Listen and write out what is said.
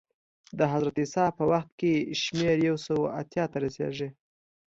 د حضرت عیسی په وخت کې شمېر یو سوه اتیا ته رسېږي